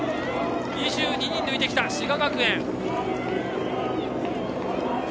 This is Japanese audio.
２２人抜いてきた滋賀学園。